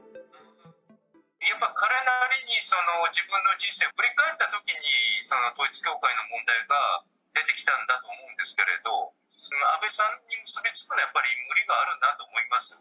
やっぱ、彼なりに自分の人生を振り返ったときに、統一教会の問題が出てきたんだと思うんですけれど、安倍さんに結び付くのはやっぱり無理があるなと思います。